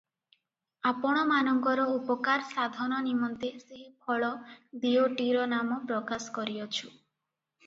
ଆପଣମାନଙ୍କର ଉପକାର ସାଧନ ନିମନ୍ତେ ସେହି ଫଳ ଦିଓଟିର ନାମ ପ୍ରକାଶ କରିଅଛୁ ।